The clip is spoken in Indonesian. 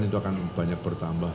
itu akan banyak bertambah